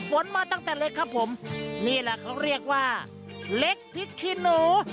ฝนมาตั้งแต่เล็กครับผมนี่แหละเขาเรียกว่าเล็กพริกขี้หนู